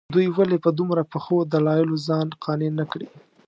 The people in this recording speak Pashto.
دوی ولې په دومره پخو دلایلو ځان قانع نه کړي.